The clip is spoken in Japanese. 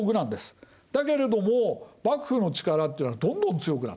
だけれども幕府の力っていうのがどんどん強くなっていく。